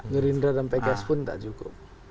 gerindra dan pks pun tak cukup